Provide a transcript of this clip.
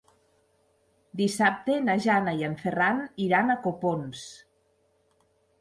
Dissabte na Jana i en Ferran iran a Copons.